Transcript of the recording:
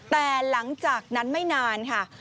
แต่หลังจากนั้นไม่นานค่ะ